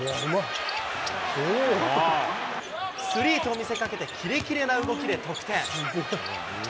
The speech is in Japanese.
スリーと見せかけて、キレキレな動きで得点。